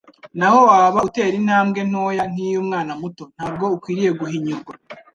naho waba utera intambwe ntoya nk'iy'umwana muto, ntabwo ukwiriye guhinyurwa.